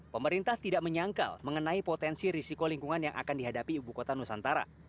pemerintah tidak menyangkal mengenai potensi risiko lingkungan yang akan dihadapi ibu kota nusantara